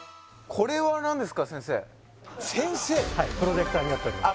・はいプロジェクターになっております